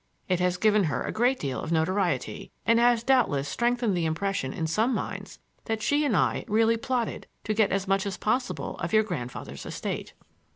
It has given her a great deal of notoriety, and has doubtless strengthened the impression in some minds that she and I really plotted to get as much as possible of your grandfather's estate."